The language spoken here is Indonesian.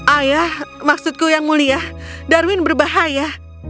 ayah maksudku yang mulia darwin berbahaya